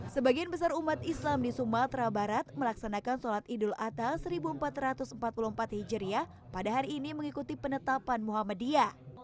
sebagian besar umat islam di sumatera barat melaksanakan sholat idul adha seribu empat ratus empat puluh empat hijriah pada hari ini mengikuti penetapan muhammadiyah